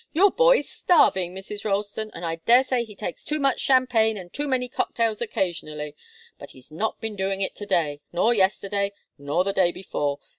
Your boy's starving, Mrs. Ralston, and I daresay he takes too much champagne and too many cocktails occasionally. But he's not been doing it to day, nor yesterday, nor the day before.